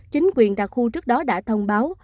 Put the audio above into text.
chính quyền đặc khu trước đó đã thông báo